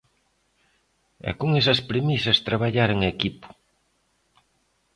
E con esas premisas traballar en equipo.